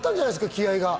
気合いが。